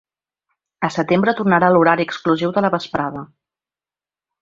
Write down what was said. A setembre tornarà l’horari exclusiu de la vesprada.